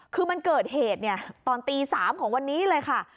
คือมันเกิดเหตุเนี่ยตอนตี๓ของวันนี้เลยค่ะ